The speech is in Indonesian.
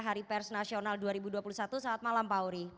hari pers nasional dua ribu dua puluh satu selamat malam pak auri